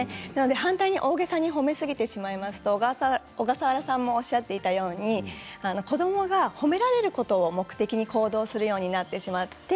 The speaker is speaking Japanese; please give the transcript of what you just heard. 反対に大げさに褒めすぎてしまいますと小笠原さんもおっしゃっていたように子どもが褒められることを目的に行動するようになってしまって